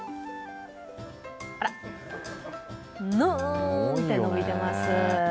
あらっ、ぬーん！って伸びてます。